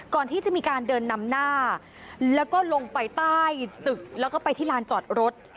ก่อนที่จะมีการเดินนำหน้าแล้วก็ลงไปใต้ตึกแล้วก็ไปที่ลานจอดรถ